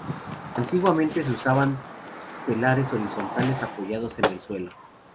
Antiguamente se usaban telares horizontales, apoyados en el suelo.